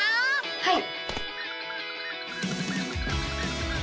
はい！